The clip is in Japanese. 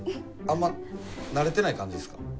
あんま慣れてない感じですか？